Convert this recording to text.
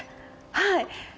はい。